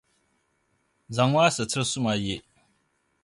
zaŋm’ a situr’ suma ye.